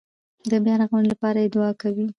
د بیارغونې لپاره یې دعا کوي.